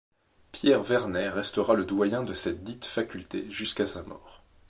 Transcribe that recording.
Pierre Vernet restera le Doyen de cette dite Faculté jusqu'à sa mort.